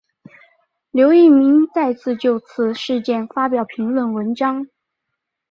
刘逸明再次就此事件发表评论文章。